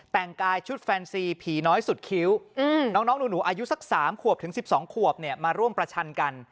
แต่งกายชุดแฟนซีผีน้อยสุดคิ้วน้องหนูอายุสัก๓ขวบถึง๑๒ขวบเนี่ยมาร่วมประชันกัน